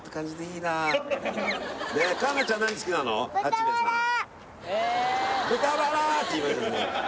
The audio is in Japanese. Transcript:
いいな「豚バラ！」って言いましたけどね